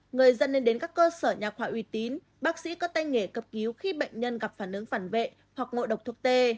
người dân nên đến các cơ sở nhà khoa uy tín bác sĩ có tay nghề cấp cứu khi bệnh nhân gặp phản ứng phản vệ hoặc ngộ độc thực tê